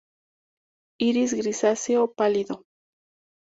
Iris grisáceo pálido.